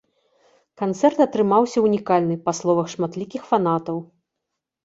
Канцэрт атрымаўся унікальны, па словах шматлікіх фанатаў.